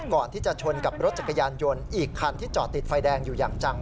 ก่อนที่จะชนกับรถจักรยานยนต์อีกคันที่จอดติดไฟแดงอยู่อย่างจัง